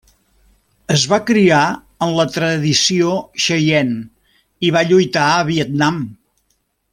Es va criar en la tradició xeiene i va lluitar a Vietnam.